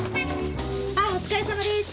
あっお疲れさまです。